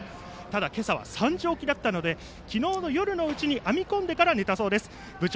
ただ、今朝は３時起きだったので昨日の夜のうちから編みこんで寝たそうです。